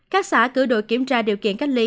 các xã cử đội kiểm tra điều kiện cách ly